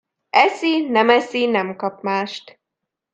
Eszi, nem eszi, nem kap mást.